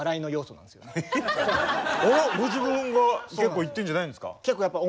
ご自分が結構いってるんじゃないんですか？